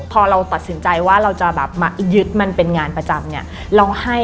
พอเราตัดสินใจว่าเราจะมายึดมันเป็นงานประจำ